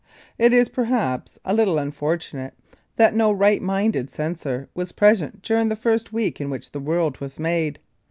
It is perhaps a little unfortunate that no right minded censor was present during the first week in which the world was made.